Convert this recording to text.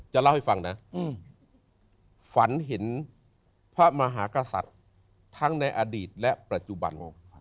เล่าให้ฟังนะฝันเห็นพระมหากษัตริย์ทั้งในอดีตและปัจจุบัน